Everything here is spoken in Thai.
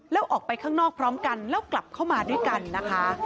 แล้วออกไปข้างนอกพร้อมกันแล้วกลับเข้ามาด้วยกันนะคะ